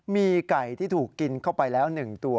มีไก่ที่ถูกกินเข้าไปแล้ว๑ตัว